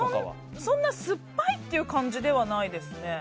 そんな酸っぱいって感じではないです。